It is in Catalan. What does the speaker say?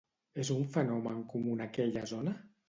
És un fenomen comú en aquella zona?